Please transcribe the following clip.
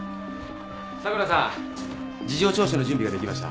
佐倉さん事情聴取の準備ができました。